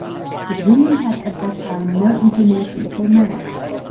But William had at that time no inclination for marriage.